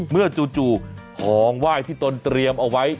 เมื่อจู่หองไหว้ที่ต้นเตรียมเอาไว้